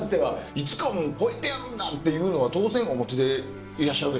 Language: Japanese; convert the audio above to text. いつか超えてやるんだというのは当然お持ちでいらっしゃるでしょ？